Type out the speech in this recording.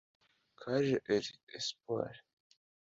Kaje Elie (Espoir)